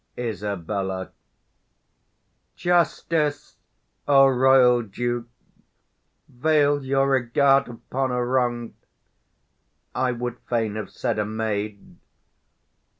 Isab. Justice, O royal Duke! Vail your regard 20 Upon a wrong'd, I would fain have said, a maid!